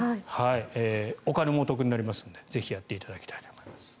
お金もお得になりますのでぜひ、やっていただきたいと思います。